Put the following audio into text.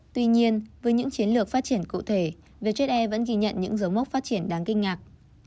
tuy nhiên với những chiến lược phát triển cụ thể vietjet air vẫn ghi nhận những dấu mốc phát triển đáng kinh ngạc